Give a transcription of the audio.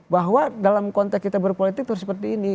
bahwa dalam konteks kita berpolitik itu seperti ini